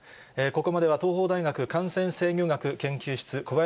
ここまでは、東邦大学感染制御学研究室、小林寅